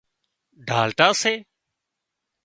ڍالٽا سي